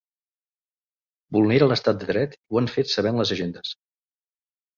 Vulnera l’estat de dret i ho han fet sabent les agendes.